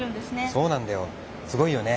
そうなんだよすごいよね。